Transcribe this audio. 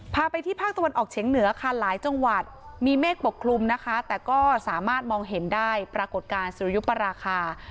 พาไปที่ภาคตะวันออกเฉียงเหนือค่ะหลายจังหวัดมีเมฆปกคลุมนะคะแต่ก็สามารถมองเห็นได้ปรากฏการณ์สุริยุปราคา